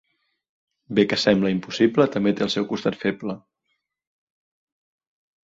Bé que sembla impossible, també té el seu costat feble.